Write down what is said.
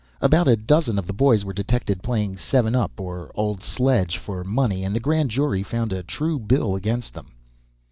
About a dozen of the boys were detected playing "seven up" or "old sledge" for money, and the grand jury found a true bill against them.